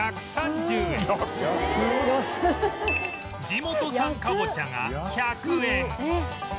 地元産かぼちゃが１００円